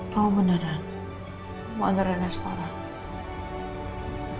kau beneran mau diantarin sekolah